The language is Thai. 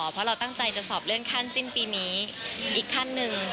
เพราะเราตั้งใจจะสอบเลื่อนขั้นสิ้นปีนี้อีกขั้นหนึ่ง